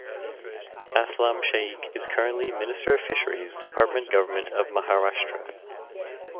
Aslam Shaikh is Current Minister of Fisheries Department Government of Maharashtra.